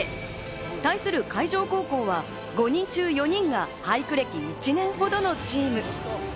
対する海城高校は５人中４人が俳句歴１年ほどのチーム。